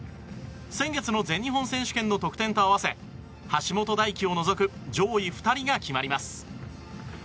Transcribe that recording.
先月の全日本選手権の得点と合わせ橋本大輝を除く上位２人が決まります。